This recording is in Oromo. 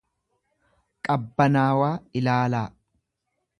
qabbanaawaa ilaalaa.